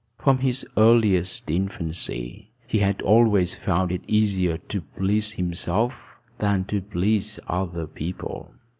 From his earliest infancy, he had always found it easier to please himself than to please other people.